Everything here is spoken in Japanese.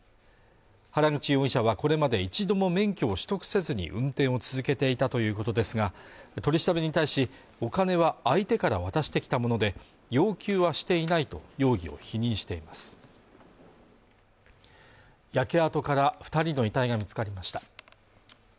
原口容疑者はこれまで一度も免許を取得せずに運転を続けていたということですが取り調べに対しお金は相手から渡してきたもので要求はしていないと容疑を否認しています焼け跡から二人の遺体が見つかりました